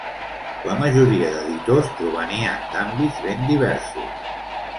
La majoria d'editors provenien d'àmbits ben diversos.